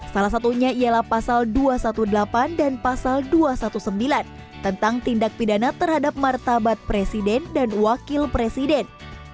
salah satunya ialah pasal dua ratus delapan belas dan pasal dua ratus sembilan belas tentang tindak pidana terhadap martabat presiden dan wakil presiden